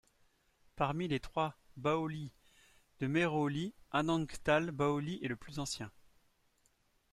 Parmi les trois bâolis de Mehrauli, Anangtal Baoli est le plus ancien.